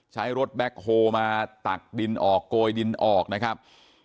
ใช้รถแบ็คโฮมาตักดินออกโกยดินออกนะครับ